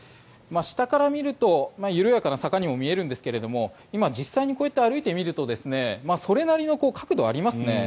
下から見ると緩やかな坂にも見えるんですが今、実際にこうやって歩いてみるとそれなりの角度がありますね。